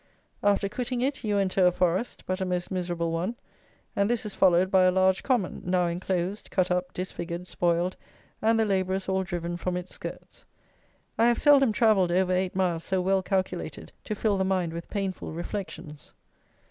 After quitting it, you enter a forest; but a most miserable one; and this is followed by a large common, now enclosed, cut up, disfigured, spoiled, and the labourers all driven from its skirts. I have seldom travelled over eight miles so well calculated to fill the mind with painful reflections.